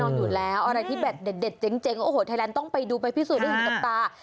แดดเด็ดเจ๊งไทยต้องไปดูหมายพิสูจน์ได้เป็นหินกับตา